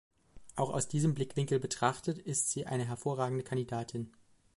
Auch aus diesem Blickwinkel betrachtet, ist sie eine hervorragende Kandidatin.